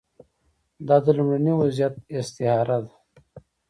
دا د لومړني وضعیت استعاره ده.